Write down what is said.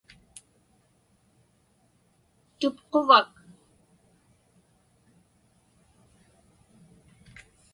Tupquvak?